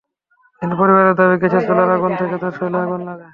কিন্তু পরিবারের দাবি, গ্যাসের চুলার আগুন থেকে তার শরীরে আগুন লাগে।